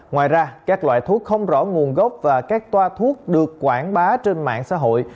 ngoài ra các loại thuốc không rõ nguồn gốc và các toa thuốc được quảng bá trên mạng xã hội